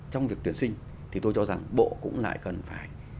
trong việc tuyển sinh thì tôi cho rằng bộ cũng lại cần phải